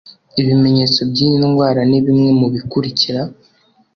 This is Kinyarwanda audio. Ibimenyetso by'iyi ndwara ni bimwe mu bikurikira